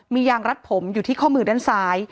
มียางรัดผมอยู่ที่ข้อมือด้านซ้าย